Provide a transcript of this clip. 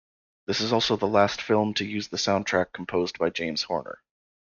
This is also the last film to use the soundtrack composed by James Horner.